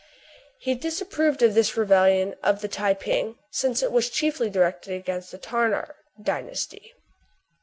He disapproved of this rebellion of the Tai ping, since it was chiefly directed against the Tartar dynasty.